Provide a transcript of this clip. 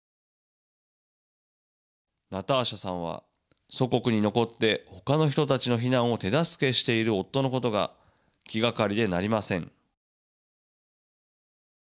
ナターシャさんは祖国に残ってほかの人たちの避難を手助けしている夫のことが気がかりでなりません。